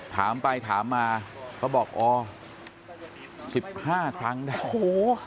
ถามไปถามมาก็บอกอ๋อ๑๕ครั้งโอ้โฮ